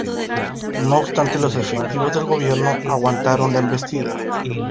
No obstante, los efectivos del gobierno aguantaron la embestida.